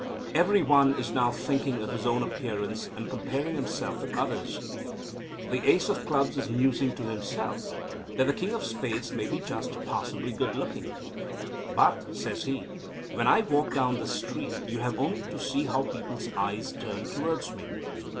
Every one is now thinking of his own appearance, and comparing himself with others. The Ace of Clubs is musing to himself, that the King of Spades may be just passably good looking. "But," says he, "when I walk down the street you have only to see how people's eyes turn towards me."